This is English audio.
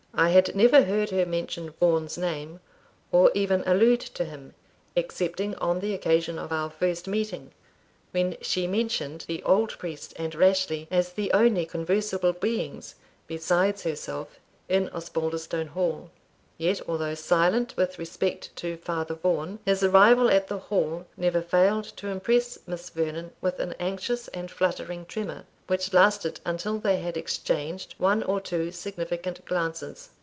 I had never heard her mention Vaughan's name, or even allude to him, excepting on the occasion of our first meeting, when she mentioned the old priest and Rashleigh as the only conversable beings, besides herself, in Osbaldistone Hall. Yet although silent with respect to Father Vaughan, his arrival at the Hall never failed to impress Miss Vernon with an anxious and fluttering tremor, which lasted until they had exchanged one or two significant glances.